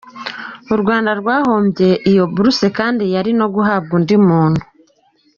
U Rwanda rwahombye iyo buruse kandi yari no guhabwa undi muntu.